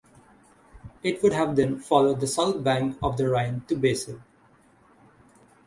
It would have then followed the south bank of the Rhine to Basel.